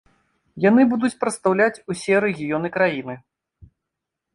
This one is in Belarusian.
Яны будуць прадстаўляць усе рэгіёны краіны.